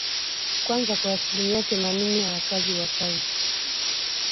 kwanza kwa asilimia themanini ya wakazi Wakazi